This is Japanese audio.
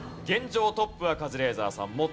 現状トップはカズレーザーさん。